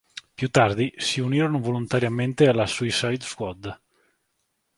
Più tardi, si unirono volontariamente alla Suicide Squad.